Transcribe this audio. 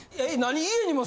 何？